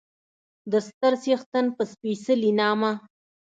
د ستر څښتن په سپېڅلي نامه